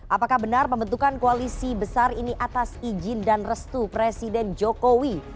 apakah benar pembentukan koalisi besar ini atas izin dan restu presiden jokowi